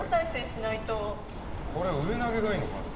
これ上投げがいいのかな？